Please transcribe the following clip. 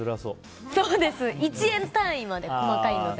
１円単位まで細かいので。